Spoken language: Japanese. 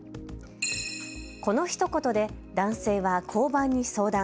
このひと言で男性は交番に相談。